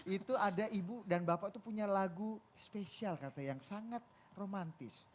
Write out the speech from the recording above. itu ada ibu dan bapak itu punya lagu spesial kata yang sangat romantis